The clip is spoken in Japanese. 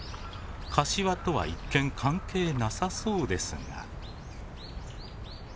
カシワとは一見関係なさそうですが。